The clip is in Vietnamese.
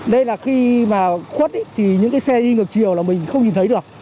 đây là khi mà khuất thì những cái xe đi ngược chiều là mình không nhìn thấy được